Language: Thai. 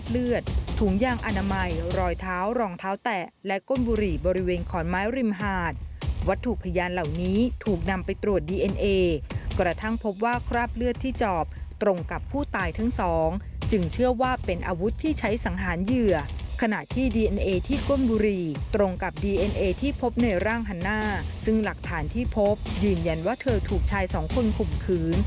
ซึ่งหลักฐานที่พบยืนยันว่าเธอถูกชาย๒คนขุมคืน